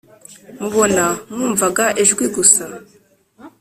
mubona; mwumvaga ijwi gusa.